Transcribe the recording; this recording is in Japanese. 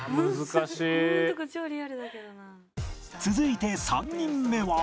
続いて３人目は